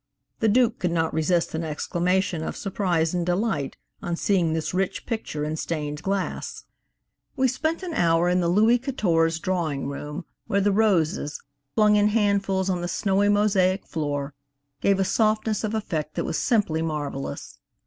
The Duke could not resist an exclamation of surprise and delight on seeing this rich picture in stained glass. We spent an hour in the Louis Quatorze drawing room, where the roses, flung in handfuls on the snowy mosaic floor, gave a softness of effect that was simply marvelous.